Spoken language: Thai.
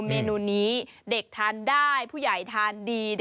เมนูนี้เด็กทานได้ผู้ใหญ่ทานดี